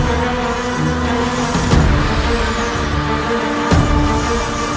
langsung anda berkerah sama aba